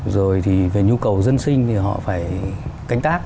rồi thì về nhu cầu dân sinh thì họ phải cánh tác